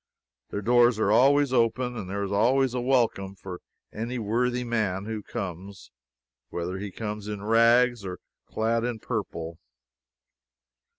Their doors are always open, and there is always a welcome for any worthy man who comes, whether he comes in rags or clad in purple.